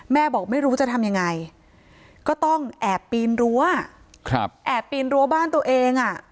บอกไม่รู้จะทำยังไงก็ต้องแอบปีนรั้วแอบปีนรั้วบ้านตัวเองอ่ะ